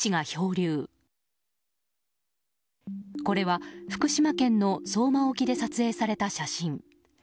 これは福島県の相馬沖で撮影された写真。